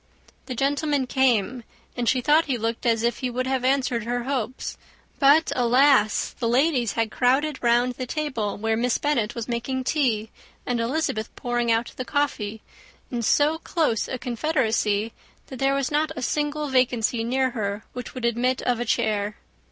The gentlemen came; and she thought he looked as if he would have answered her hopes; but, alas! the ladies had crowded round the table, where Miss Bennet was making tea, and Elizabeth pouring out the coffee, in so close a confederacy, that there was not a single vacancy near her which would admit of a chair.